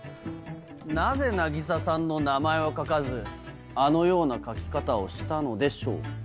なぜ凪沙さんの名前を書かずあのような書き方をしたのでしょうか？